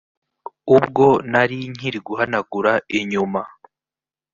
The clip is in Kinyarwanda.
“Ubwo nari nkiri guhanagura inyuma